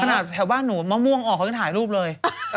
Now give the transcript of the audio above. ขนาดแถวบ้านหนูมะม่วงออกเขายังถ่ายรูปเลย